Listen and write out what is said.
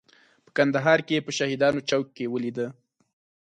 په کندهار کې په شهیدانو چوک کې ولیده.